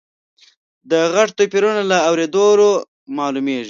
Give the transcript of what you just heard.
د غږ توپیرونه له اورېدلو معلومیږي.